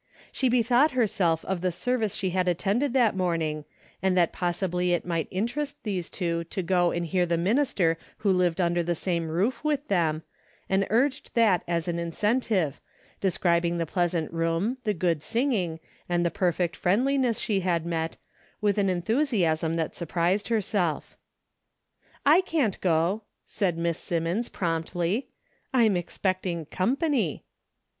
She bethought herself of the service she had attended that morning, and that possibly it might interest these two to go and hear the minister who lived under the same roof with A DAILY RATE. 275 them, and urged that as an incentive, describ ing the pleasant room, the good singing, and perfect friendliness she had met, with an en thusiasm that surprised herself. "I can't go," said Miss Simmons, promptly, "I'm expecting company."